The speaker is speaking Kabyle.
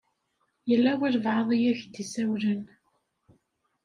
Yella walebɛaḍ i ak-d-isawlen.